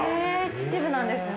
秩父なんですね。